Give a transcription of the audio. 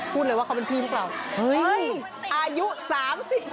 พูดเลยว่าเขาเป็นพี่พวกเราเฮ้ยอายุ๓๖